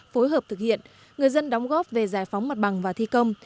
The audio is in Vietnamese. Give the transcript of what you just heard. phối hợp thực hiện người dân đóng góp về giải phóng mặt bằng và thi công